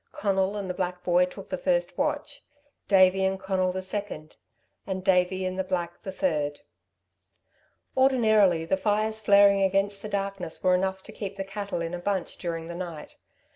Conal and the black boy took the first watch, Davey and Conal the second, and Davey and the black the third. Ordinarily the fires flaring against the darkness were enough to keep the cattle in a bunch during the night.